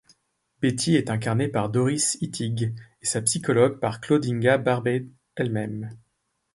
Betty est incarnée par Doris Ittig et sa psychologue par Claude-Inga Barbey elle-même.